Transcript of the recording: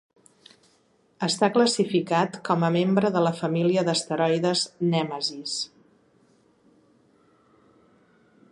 Està classificat com a membre de la família d'asteroides Nemesis.